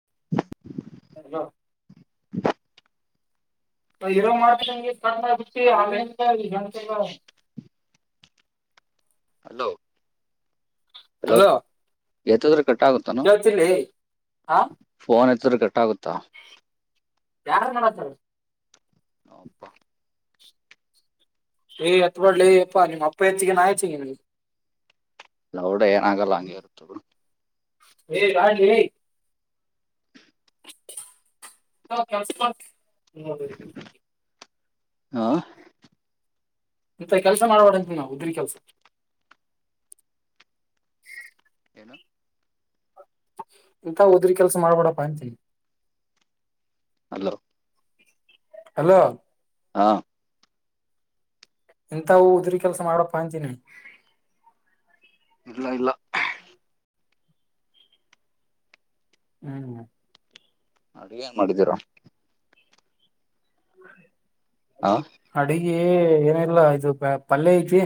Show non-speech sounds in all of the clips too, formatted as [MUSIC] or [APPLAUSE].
[INAUDIBLE] Hello ಇರೋ ಮಾಡ್ಂಗೆ ಕಮ ಆತಿ ಆ ಈ ಗಂಟೆಗ [INAUDIBLE] ಹಲೋ ಹಲೋ ಎತ್ತದ್ರ ಕಟ್ಟಾಗುತ್ತಾನ ಕೇಳ್ತಿಲ್ಲಿ ಫೋನ್ ಎತ್ತದ್ರ ಕಟ್ಟಾಗುತ್ತ ಯಾರಾರು ಮಾಡತಾರ ಹಪ್ಪ ಏ್ತ್ ಮಾಡಡ್ಲಿ ಅಪ್ಪಾ ನಿಮ್ಮ ಅಪ್ಪ ಹೆಚ್ಚಿಗೆ ನಾ ಆಯಚ್ಚ ನಿನ್ಗೆ ನೌಡ ಏನ ಆಾಗಲ್ಲ ಹಂಗೆ ಇರುತ್ತ ರಾಣ ಹೇಳ ಹ ಚಪ ಹಾ ಮತ್ತ ಕೆಲ್ಸ ಮಾಡ್ಬಡಂತ ನಾವು ಉದ್ರ ಕೆಲ್ಸ ಏನು [UNINTELLIGIBLE] ಇಂಥ ಉದರಿ ಕೆಲಸ ಮಾಡ್ಬಿಡಪ್ಪ ಅಂತೀನಿ ಅಲೋ ಹಲೋ ಹಾ ಎಂತವು ಉದ್ರ ಕೆಲ್ಸ ಮಾಡಪ್ಪ ಅಂತೀನಿ ಇಲ್ಲ ಇಲ್ಲ ಹ್ಮ್್ಮ ಅಡು ಏನ್ ಮಾಡಿದ್ದೀರ ಹ ಅಡಿಗೆಏನಿಲ್ಲ ಇದು ಪಲ್ಯ ಐತಿ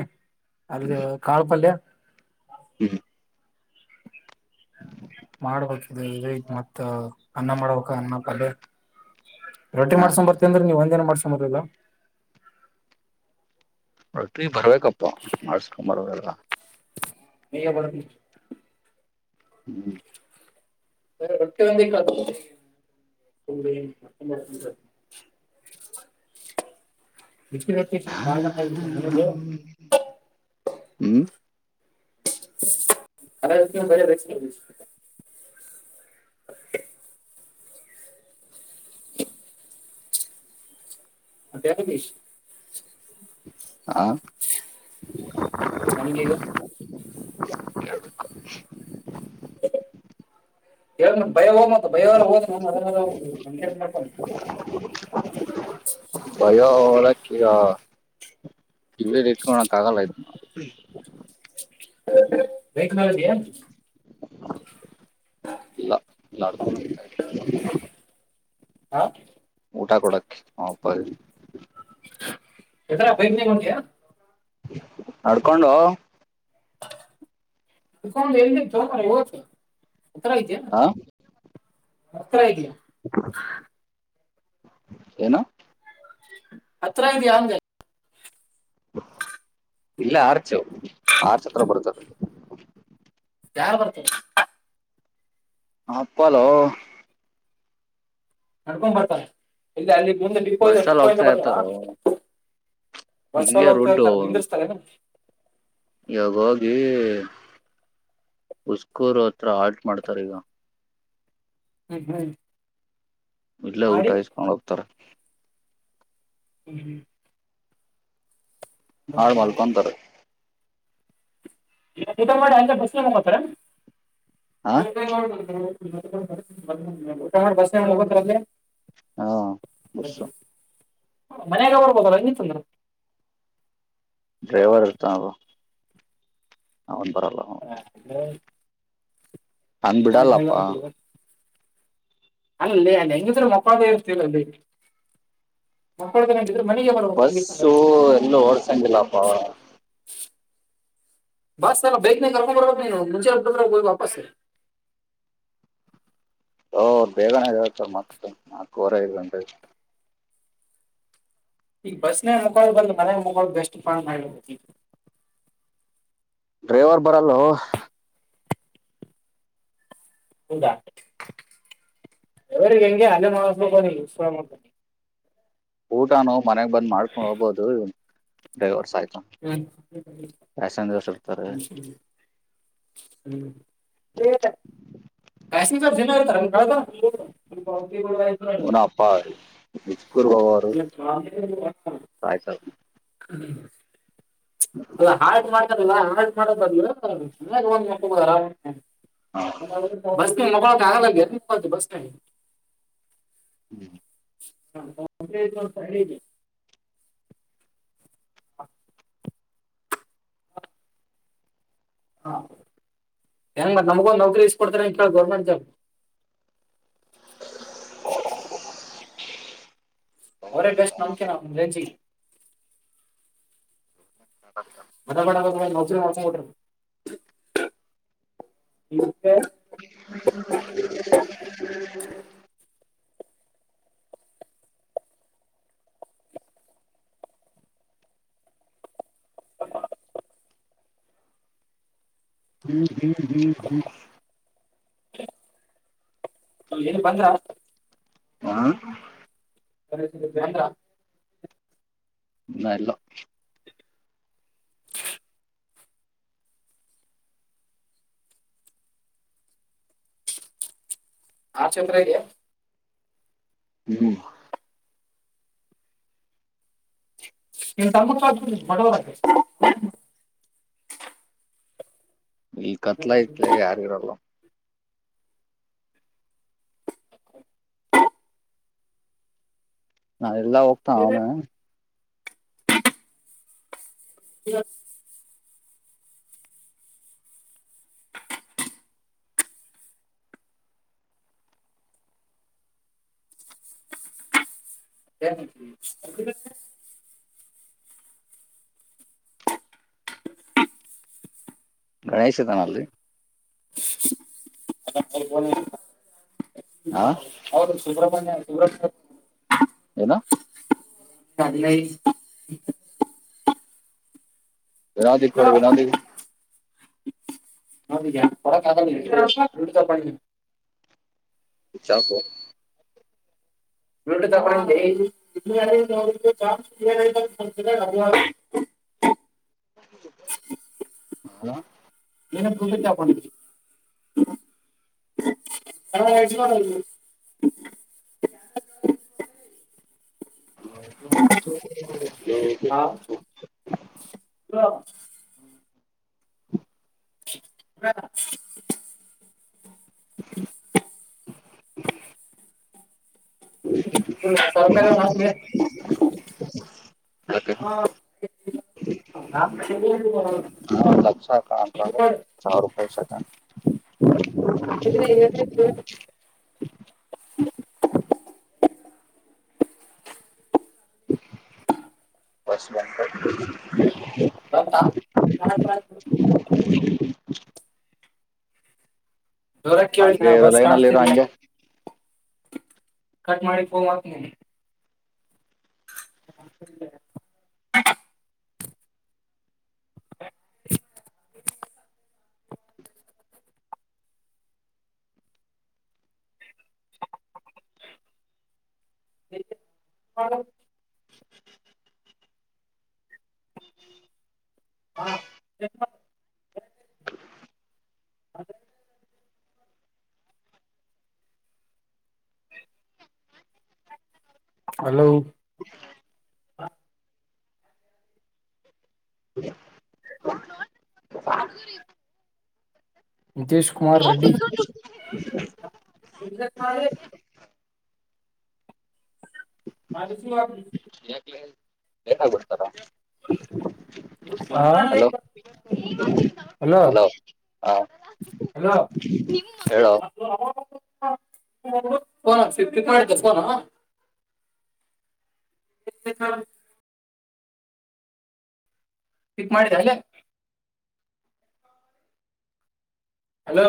ಅಲ್ಲಿ ಕಾಳು ಪಲ್ಯ ಹ್ಮ ಮಾಡ್ಬೇಕಲ್ಗ ಮತ್ತ ಅನ್ನ ಮಾಡ್ಬೇಕ ಅನ್ನ ಕಲೆ ರೊಟ್ಟಿ ಹಾ ಮಾಡ್ಸೊಂಬರ್ತೇನ್ ನೀವ್ ಒಂದೇನ ಮಾಡ್ಸೊಂಬರ್ಲ್ಲ ನೀ ಬರ್ಬೇಕಪ್ಪ ಮಾಡಸ್ಕೊಂಡಂಬರ್ಲ್ಲ ಮ ಬ ಹ್ಮ್ ಸ ಹೊಟ್ಟೆ ಬಂದ ಹತ್ತ [INAUDIBLE] ನಿಮ್ದು ಹ್ಮ್ ಅರ ಬೆ ರಚ ಹ ಅತ್ತಾರ ನೀಶ ಹ ನಮ್ಗೆಗ [INAUDIBLE] ಯಾವ ಭಯ ಹೋಗ ಮ ಭಯವಲ್ಲ ಹೋದ ಮಾಡ್ಕೊಂಡು ಭಯ ಒಳಕ್ಕಗ ಇವಲೇ ಟ್ಕಣ ಕಗಲ್ಲ ಆಯ್ತಣ ನಾವಲ್ಲಿ ಡ್ಕ ಹಾ ಊಟಾ ಕೊಡಕ್ ಹಪ ಎತ್ರರ ಬೈಕ್ ನೀಡಯಾ ನಡ್ಕೊಂಡು ತಕ ಎ ತಕ ಹತ್ತರ ಇದೆಯಾ ಹ ಹತ್ತರ್ ಇದೆಯಾ ಏನು ಅತ್ರದ ಆಗ ಇಲ್ಲ ಆರ್ಚ ಆರ್ಚತ್ರ ಬರ್ತದೆ ಯಾರು ಬರ್ತೀ ಹ ಅಪ್ಪಲೋ ನಡ್ಕೊಂಡ್ ಬರ್ತಾರ ಇಲ್ಲಿ ಅಲ್ಲಿ ಇಂದು ಡಿಪೋ ಇದೆ ಬಸ್ಸಲ್ಲಿ ಡಿಪೋ ಇಂದ ಹೋಗ್ತಾ ಬರ್ತಾರ ಇರ್ತಾರೋ ಬರ್ಸ್ಲ ಹಿಂಗೆ ಅಂತ ರುಡ್ಡು ಹೇಳ್ತಾರೆ ನಿಿಂದಿರ್ಸ್ತಾರೆ ಏನು ಇವಾಗ ಹೋಗಿ ಹುಸ್ಕೂರು ಹತ್ರ ಹಾಟ್ ಮಾಡ್ತಾರ ಈಗ [UNINTELLIGIBLE] ಇಲ್ಲ ಊಟ ಮಾಡಿ ಹಿಸ್ಕೊಂಡ್ ಹೋಗ್ತಾರೆ. [UNINTELLIGIBLE] ಹಾ ಮಲಕೋಮಂತಾರೇ [UNINTELLIGIBLE] [INAUDIBLE] ಊಟ ಮಾಡಿ ಹ ಬಸನಾಗ ಮಲ್ಕೋತಾರಲೇ ಹಾ [UNINTELLIGIBLE] ಮನ್ಯಾಗ ಮಲ್ಕೋಬಹುದಿತ್ತು ಹಂಗಿತ್ತಂದ್ರ ಡ್ರೈವರ್ ಇರ್ತ ಅವರು [UNINTELLIGIBLE] [UNINTELLIGIBLE] ಹಂಗ ಬಿಡಲ್ಲಪ್ಪ ಅಲ್ಲ ಲೇ ಹೆಂಗಿದ್ರೆ ಮಕ್ಕೋಳದೇ ಇರ್ತೀ ಅಲ್ಲಿ ಮೋಕ್ಕೊಳದು ಬಸ್ಸು ಇನ್ನು ಓಡ್ಸಂಗಿಲ್ಲಪ್ಪ ಬಸ್ ಬೇಗನ್ ಕರ್ಕೊಂಡ ಬರಬೇಕ ನೀ ಮುಂಚೆರ ವಾಪಸ್ [INAUDIBLE] ಓ ಬೇಗನೆಎಳತ ಮತ್ತ ನಾಲ್ಕುವರೆ ಐದ ಗಂ ಈಗ ಬಸ್ನ ಮೋಖಾಳ ಬಂದ ಮನ ಮುಖೊಳ ಬೆಸ್ಟ್ ಫ್ ಮಾಡ ಈ ಡ್ರೈವರ್ ಬರಲ್ಲೋ ಹೌದಾ ಅವರಿಗೆ ಹೆಂಗೆ ಅಲ್ಲೇ ಮಾಡಸ್ಬೇಕ [UNINTELLIGIBLE] ಊಟ ನ ಮನೆಗ್ ಬಂದ್ ಮಾಡ್ಕೊಂಡ ಹೋಗಬಹುದು ಡೈವರ್ಸ್ ಆಯ್ತು [UNINTELLIGIBLE] [UNINTELLIGIBLE] ಪ್ಯಾಸೆಂಜರ್ಸ್ ಇರ್ತಾರೆ ಪ್ಯಾಸೆಂಜರ್ ದಿನ ಇರುತ್ತಾರೆ ಬೆಳೆತನ ಅವನ ಅಪ್ಪಜಕೂರ್ ಬಬಾರಾಯ್ [INAUDIBLE] [UNINTELLIGIBLE] ಅಲ್ಲಾ ಹಾರ್ಟ್ ಮಾಡ್ತಾರಲ್ಲ ಹಾರ್ಟ್ ಮಾಡ ಮನ್ಯಾಗ ಆರಾಮ [INAUDIBLE] ಹ ಬಸ್ ನನ್ ಮಲ್ಕೊಳಕಾಗಂಗಿಲ್ಲ ಬಸ್ನಲ್ಲಿ ಹ್ಮ್ [UNINTELLIGIBLE] [UNINTELLIGIBLE] ಹಾ ಹೆಂಗ ಮತ್ ನಮಗೊಂದ್ ನೌಕರಿ ಇಸ್ಕೊಡ್ತಾರೆಂಗ ಕೇಳ ಗೌರ್ಮೆಂಟ್ ಜಾಬ್ ಅವರೇ ಬೆಸ್ಟ್ ನಮಕಿನ ರೇಂಜಿಗಿ [UNINTELLIGIBLE] [UNINTELLIGIBLE] [INAUDIBLE] [UNINTELLIGIBLE] [UNINTELLIGIBLE] ಏನು ಬಂದ್ರ ಹಾ ಕನಂದ್ರ [UNINTELLIGIBLE] [UNINTELLIGIBLE] [UNINTELLIGIBLE] [UNINTELLIGIBLE] ನೀನ್ ತಮ್ಮಗ [INAUDIBLE] ಈಗ ಕತ್ಲ ತ್ಲೇ ಯಾರ ಇರಲ್ಲ ನಾ ಎಲ್ಲಾ ಹೋಗ್ತಾ ಅವನ [UNINTELLIGIBLE] ಗಣೇಶತನಲ್ಲಿ ಅವ ಹಾ ಅವರು ಸುಬ್ರ್ಮಣ್ಯ ಸುಬ್ರ ಏನ ಚಲ್ಲ ವಿನೋದ ಹೊಡೆ ವಿನೋದ [INAUDIBLE] ಚಾಕ ತ [INAUDIBLE] ಹಲೋ ಏನ ಸಜಾ ಪು [INAUDIBLE] ನ ಆ ಮಾಡ [INAUDIBLE] ಹ ಹ [UNINTELLIGIBLE] ಬ್ರೋ ಹಾ ಇದು ತರ್ಕಾರ ಮಾಗೆ ಹ ಹ [INAUDIBLE] ಹಾ ಲಕ್ಷಕೊಂಡ ಸಾವ ರೂಪಾಯಿ ಶಕ ಹ [INAUDIBLE] ಹೊಸ್ ಬಂಕ ಹೌದಾ [UNINTELLIGIBLE] [UNINTELLIGIBLE] ದೂರ ಕೇಳಿ ಹಂಗೆ ನಾ ಇರೋ ಬಸ್ ಲೈನಲ್ಲಿ ಇರೋ ಕಾಣಸ್ತಿದಿ ಹಂಗೆ ಕಟ್ ಮಾಡಿಫ್ತ ಫೋನ್ ಮಾಡ್ತೀನಿ ಹೆ ಹಾ [INAUDIBLE] ಎ ಹಲೋ ನಿತೇಶ್ ಕುಮಾರ್ ರೆಡ್ಡಿ ಇಲ್ಲ ನಳ ಹ ಹೇನಾಗಬಿಡ್ತಾರ ಹಲೋ ಹಲೋ ಹ [INAUDIBLE] ಹೇಳೋ ಅ ಹ [UNINTELLIGIBLE] [UNINTELLIGIBLE] ಿಕ್ ಮಾಡಿದ ಅಲ್ಲ ಹಲೋ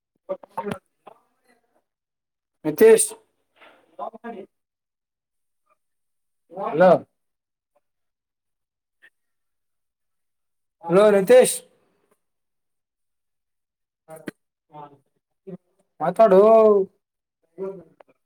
ಹ ನಿತೇಶ್ ಹಲೋ ಹಲೋ ರಿತೇಶ್ ಮಾತಾಡು